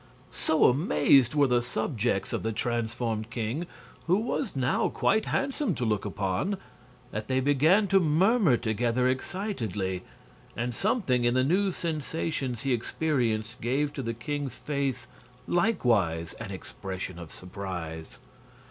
So amazed were the subjects of the transformed king who was now quite handsome to look upon that they began to murmur together excitedly, and something in the new sensations he experienced gave to the king's face likewise an expression of surprise.